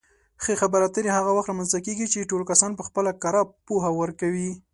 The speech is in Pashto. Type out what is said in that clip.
ښې خبرې اترې هغه وخت رامنځته کېږي چې ټول کسان پخپله کره پوهه ورکوي.